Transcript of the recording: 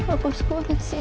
aku harus keluar disini